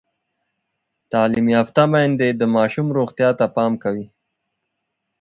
تعلیم یافته میندې د ماشوم روغتیا ته پام کوي۔